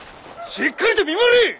しっかりと見回れ！